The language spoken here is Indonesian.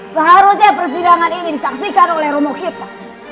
seharusnya persidangan ini disaksikan oleh romo kita